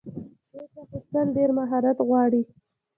کېچ اخیستل ډېر مهارت غواړي.